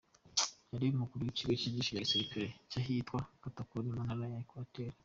Yari umukuru w’ikigo cyigisha ibya gisirikare cy’ahitwa Kotakoli mu ntara ya Equateur.